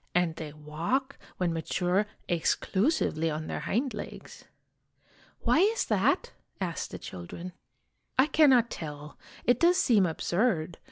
"And they walk, when mature, exclusively on their hind legs." "Why is that?" asked the children. " I cannot tell. It does seem absurd.